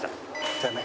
じゃあね。